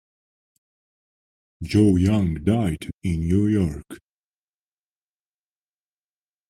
Joe Young died in New York.